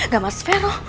gak mas fero